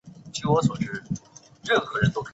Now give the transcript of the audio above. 它介于战术弹道飞弹和洲际弹道飞弹之间。